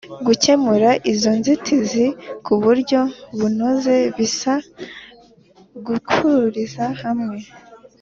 gukemura izo nzitizi ku buryo bunoze bisaba guhuriza hamwe